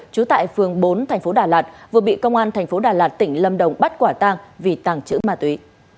trú tại phường bốn tp đà lạt vừa bị công an tp đà lạt tỉnh lâm đồng bắt quả tang vì tàng trữ ma túy